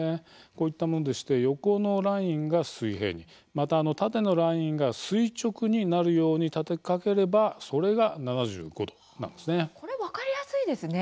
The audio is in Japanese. こういったものでして横のラインが水平にまた縦のラインが垂直になるように立てかければこれ分かりやすいですね。